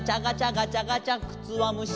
ガチャガチャくつわむし」